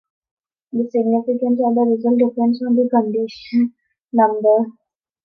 The significance of the result depends on the condition number.